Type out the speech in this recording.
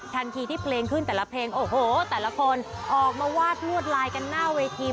ทันทีที่เพลงขึ้นแต่ละเพลงโอ้โหแต่ละคนออกมาวาดลวดลายกันหน้าเวที